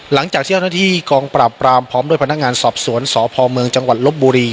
หลังจากที่เจ้าหน้าที่กองปราบปรามพร้อมด้วยพนักงานสอบสวนสพเมืองจังหวัดลบบุรี